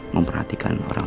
memperhatikan orang lainnya